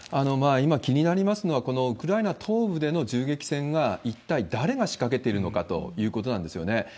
今、気になりますのは、このウクライナ東部での銃撃戦は一体誰が仕掛けてるのかということなんですよね。